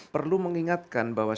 perlu mengingatkan bahwa